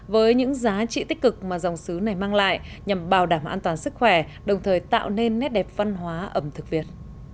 với những giá trị tích cực mà dòng xứ này mang lại nhằm bảo đảm an toàn sức khỏe đồng thời tạo nên nét đẹp văn hóa ẩm thực việt